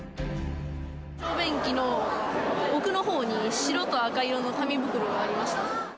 小便器の奥のほうに白と赤色の紙袋がありました。